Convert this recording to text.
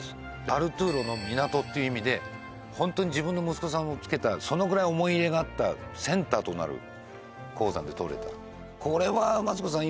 「アルトゥーロの港」っていう意味でホントに自分の息子さんをつけたそのぐらい思い入れがあったセンターとなる鉱山でとれたこれはマツコさん